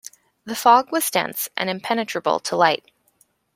The fog was dense and impenetrable to light.